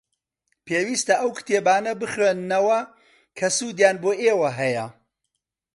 پێویستە ئەو کتێبانە بخوێننەوە کە سوودیان بۆ ئێوە هەیە.